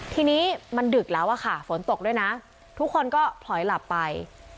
ทีนี้มันดึกแล้วอะค่ะฝนตกด้วยนะทุกคนก็ผลอยหลับไป